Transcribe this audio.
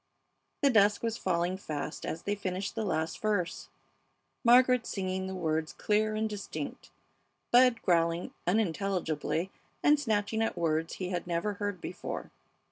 The dusk was falling fast as they finished the last verse, Margaret singing the words clear and distinct, Bud growling unintelligibly and snatching at words he had never heard before.